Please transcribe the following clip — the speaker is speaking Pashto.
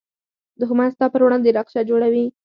دښمن ستا پر وړاندې نقشه جوړوي